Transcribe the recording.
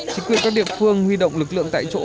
chính quyền các địa phương huy động lực lượng tại chỗ